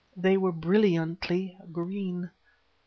They were brilliantly green.